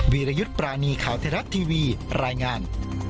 วิรยุทธ์ปรานีข่าวไทยรัฐทีวีรายงาน